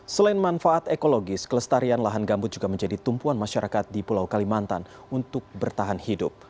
selain manfaat ekologis kelestarian lahan gambut juga menjadi tumpuan masyarakat di pulau kalimantan untuk bertahan hidup